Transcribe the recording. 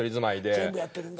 全部やってるんだ。